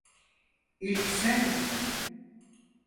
İlk sen git.